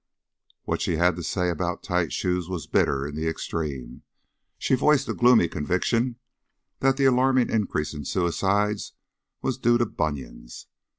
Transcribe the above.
What she had to say about tight shoes was bitter in the extreme; she voiced a gloomy conviction that the alarming increase in suicides was due to bunions.